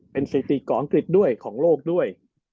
เป็นสถิติของอังกฤษด้วยของโลกด้วย